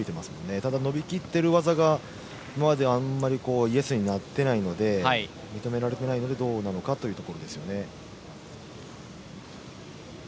ただ、伸び切っている技が今まではあまりイエスになっていないので認められてないのでどうなのかというところですよね。